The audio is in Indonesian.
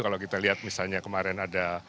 kalau kita lihat misalnya kemarin ada